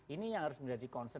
ini yang harus menjadi concern